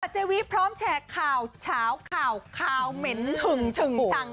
เจวิพร้อมแชร์ข่าวเฉาข่าวข่าวเหม็นหึงชึงชัง